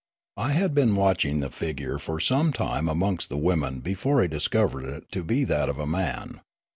I had been watching the figure for some time amongst the women before I discovered it to be that of a man.